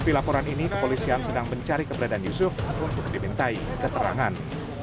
di laporan ini kepolisian sedang mencari keberadaan yusuf untuk dimintai keterangan